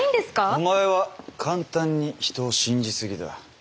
お前は簡単に人を信じすぎだ。